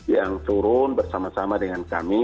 yang turun bersama sama dengan kami